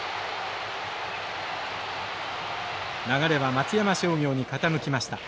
流れは松山商業に傾きました。